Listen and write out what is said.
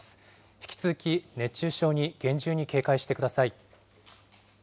引き続き熱中症に厳重に警戒してください。